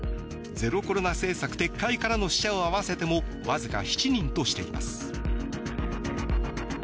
ゼロコロナ政策撤回からの死者を合わせてもわずか７人としています。